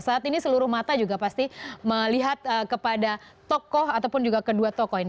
saat ini seluruh mata juga pasti melihat kepada tokoh ataupun juga kedua tokoh ini